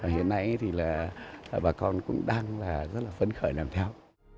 hiện nay thì là bà con cũng đang rất là phấn khởi làm theo